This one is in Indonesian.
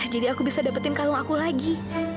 jadi aku bisa dapetin kalung aku lagi